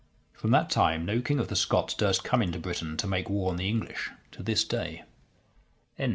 From that time, no king of the Scots durst come into Britain to make war on the English to this day. BOOK II Chap.